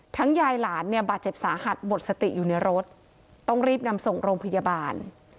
ยายหลานเนี่ยบาดเจ็บสาหัสหมดสติอยู่ในรถต้องรีบนำส่งโรงพยาบาล